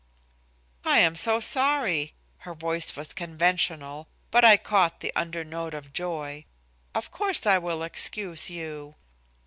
"I am so sorry." Her voice was conventional, but I caught the under note of joy. "Of course I will excuse you."